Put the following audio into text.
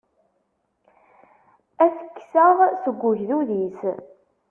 Ad t-kkseɣ seg ugdud-is.